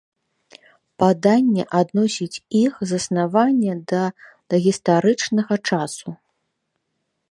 Паданне адносіць іх заснаванне да дагістарычнага часу.